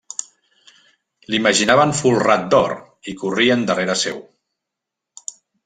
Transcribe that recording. L'imaginaven folrat d'or, i corrien darrera seu.